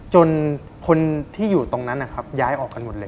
จนคนที่อยู่ตรงนั้นนะครับย้ายออกกันหมดเลย